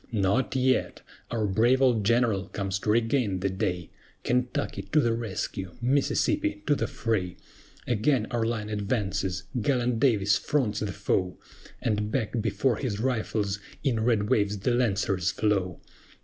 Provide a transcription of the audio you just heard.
NOT YET! Our brave old General comes to regain the day; KENTUCKY, to the rescue! MISSISSIPPI, to the fray! Again our line advances! Gallant DAVIS fronts the foe, And back before his rifles, in red waves the Lancers flow.